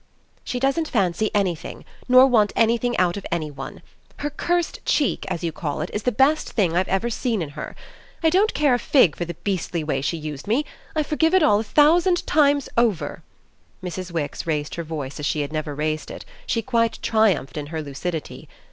"She doesn't fancy anything, nor want anything out of any one. Her cursed cheek, as you call it, is the best thing I've ever seen in her. I don't care a fig for the beastly way she used me I forgive it all a thousand times over!" Mrs. Wix raised her voice as she had never raised it; she quite triumphed in her lucidity.